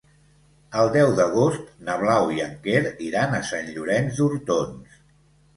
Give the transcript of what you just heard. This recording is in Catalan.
El deu d'agost na Blau i en Quer iran a Sant Llorenç d'Hortons.